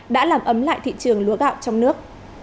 đã làm ấm lại thị trường lúa gạo trong nước